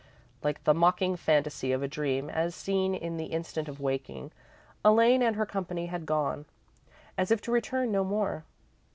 Like the mocking fantasy of a dream as seen in the instant of waking, Elaine and her company had gone, as if to return no more.